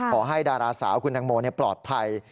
ขอให้ดาราสาวคุณแตงโมนิดาพัดปลอดภัย